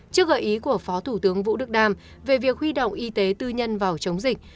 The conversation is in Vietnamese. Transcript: trước gợi ý của phó thủ tướng vũ đức đam về việc huy động y tế tư nhân vào chống dịch